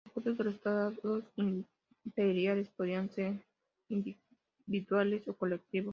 Los votos de los Estados Imperiales podían ser individuales o colectivos.